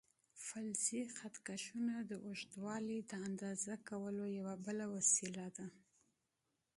فلزي خط کشونه د اوږدوالي د اندازه کولو یوه بله وسیله ده.